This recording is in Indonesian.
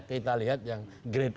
kita lihat yang grade